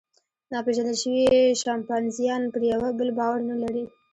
ناپېژندل شوي شامپانزیان پر یوه بل باور نهلري.